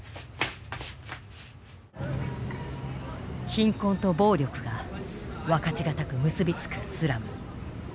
貧困と暴力が分かち難く結び付くスラム。